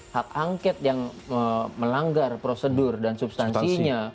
hak angket yang melanggar prosedur dan substansinya